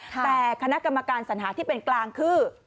แต่คณะกรรมการสัญหาที่เป็นกลางคือ